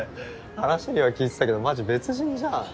話には聞いてたけどマジ別人じゃん。